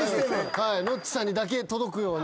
ノッチさんにだけ届くように。